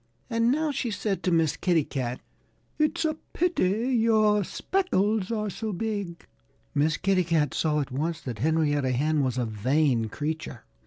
And now she said to Miss Kitty Cat, "It's a pity your speckles are so big." Miss Kitty Cat saw at once that Henrietta Hen was a vain creature.